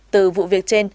từ vụ việc trên